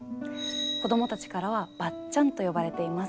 子どもたちからは「ばっちゃん」と呼ばれています。